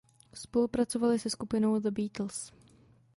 Spolupracovali se skupinou The Beatles.